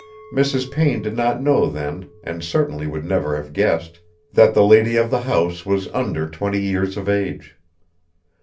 Mrs. Payne did not know then, and certainly would never have guessed, that the lady of the house was under twenty years of age.